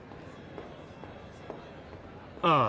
ああ。